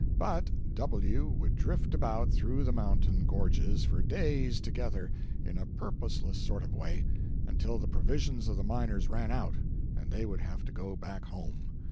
But W. would drift about through the mountain gorges for days together, in a purposeless sort of way, until the provisions of the miners ran out, and they would have to go back home.